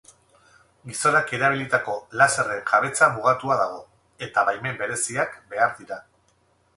Gizonak erabilitako laserren jabetza mugatua dago eta baimen bereziak behar dira.